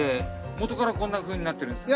もとからこんなふうになってるんですか？